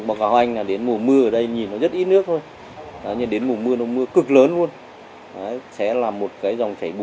báo cáo anh đến mùa mưa ở đây nhìn nó rất ít nước thôi đến mùa mưa nó cược lớn sẽ làm một cái dòng chảy bùn